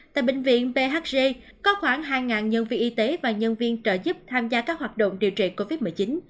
tại bệnh viện bhg có khoảng hai nhân viên y tế và nhân viên trợ giúp tham gia các hoạt động điều trị covid một mươi chín